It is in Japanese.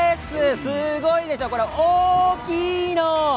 すごいでしょ。大きいの。